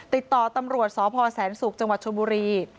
ติดต่อตำรวจสพแสนศุกร์จังหวัดชนบุรี